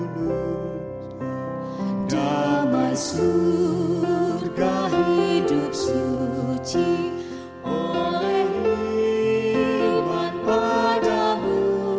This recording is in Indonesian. damai surga hidup suci oleh iman padamu